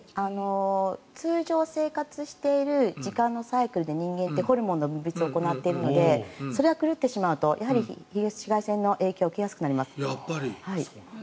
通常、生活している時間のサイクルで人間ってホルモンの分泌を行っているのでそれが狂ってしまうと紫外線の影響を受けやすくなります。